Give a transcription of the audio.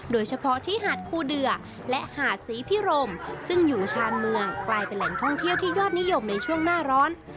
โดยเฉพาะที่หาดคูเดือและหาดศรีพิรมซึ่งอยู่ชานเมืองกลายเป็นแหล่งท่องเที่ยวที่ยอดนิยมในช่วงหน้าร้อน